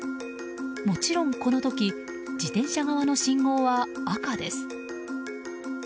もちろん、この時自転車側の信号は赤です。